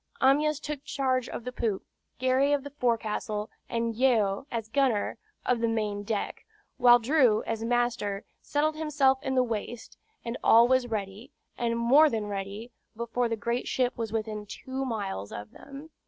Amyas took charge of the poop, Gary of the forecastle, and Yeo, as gunner, of the main deck, while Drew, as master, settled himself in the waist; and all was ready, and more than ready, before the great ship was within two miles of them.